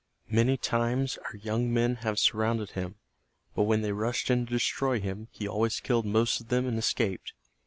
Many times our young men have surrounded him, but when they rushed in to destroy him he always killed most of them and escaped.